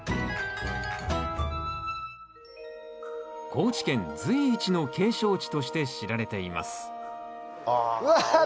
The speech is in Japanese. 高知県随一の景勝地として知られていますあ。